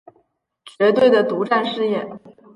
绝对的独占事业